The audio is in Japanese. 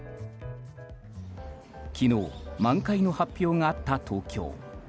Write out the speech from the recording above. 昨日満開の発表があった東京。